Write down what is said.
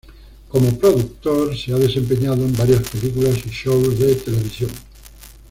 Como productor, se ha desempeñado en varias películas y shows de televisión.